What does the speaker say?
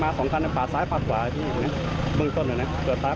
แล้วก็ตามมาส่งบุตรไอ้ครัว